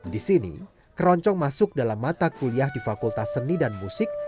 di sini keroncong masuk dalam mata kuliah di fakultas seni dan musik